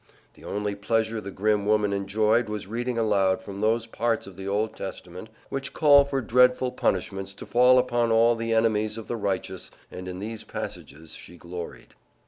The only pleasure the grim woman enjoyed was reading aloud from those parts of the Old Testament which call for dreadful punishments to fall upon all the enemies of the righteous, and in these passages she gloried.